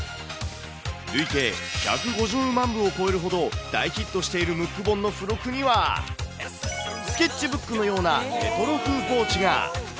累計１５０万部を超えるほど大ヒットしているムック本の付録には、スケッチブックのようなレトロ風ポーチが。